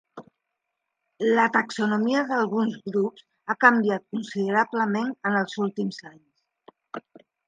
La taxonomia d'alguns grups ha canviat considerablement en els últims anys.